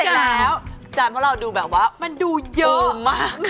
เสร็จแล้วจำว่าเราดูแบบว่ามันดูเยอะมากค่ะ